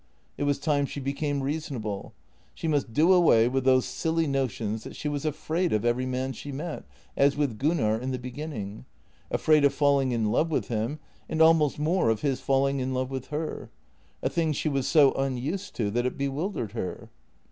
It was time she became reasonable. She must do away with those silly notions that she was afraid of every man she met — as with Gunnar in the beginning — afraid of falling in love with him, and almost more of his falling in love with her: a thing she was so unused to that it bewildered her.